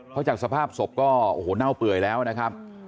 พอจากสภาพศพก็เน่าเปื่อยแล้วนะครับ